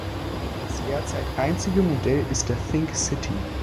Das derzeit einzige Modell ist der Think City.